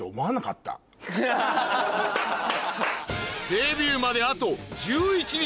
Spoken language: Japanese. デビューまであと１１日